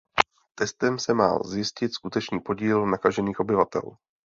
Testem se má zjistit skutečný podíl nakažených obyvatel.